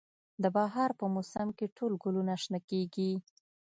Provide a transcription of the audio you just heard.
د بهار په موسم کې ټول ګلونه شنه کیږي